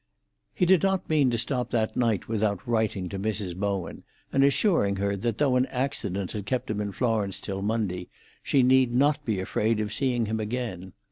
He did not mean to stop that night without writing to Mrs. Bowen, and assuring her that though an accident had kept him in Florence till Monday, she need not be afraid of seeing him again.